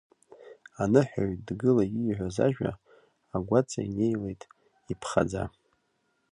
Аныҳәаҩ дгыла ииҳәо ажәа, агәаҵа инеиуеит иԥхаӡа.